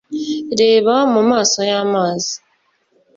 reba mu maso y'amazi